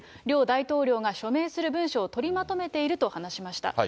両大統領が署名する文書を取りまとめていると話しました。